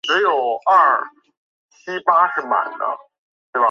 博斯科普是荷兰南荷兰省的一个镇的基层政权。